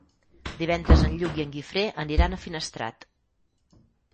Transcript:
Divendres en Lluc i en Guifré aniran a Finestrat.